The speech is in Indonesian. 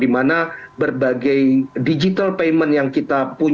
di mana berbagai digital payment yang bisa dihasilkan